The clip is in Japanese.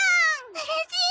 うれしい！